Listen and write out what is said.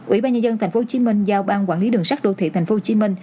ủy ban nhà dân tp hcm giao ban quản lý đường sắt đô thị tp hcm